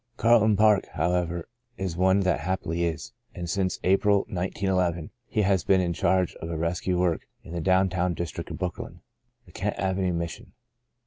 Carlton Park, however, is one that happily is; and since April, 191 1, he has been in charge of a rescue work in the down town district of Brooklyn — the Kent Avenue Mis sion.